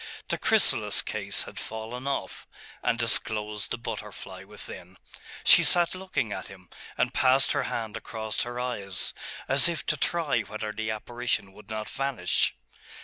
The chrysalis case had fallen off, and disclosed the butterfly within. She sat looking at him, and passed her hand across her eyes, as if to try whether the apparition would not vanish.